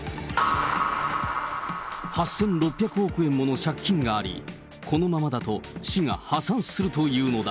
８６００億円もの借金があり、このままだと市が破産するというのだ。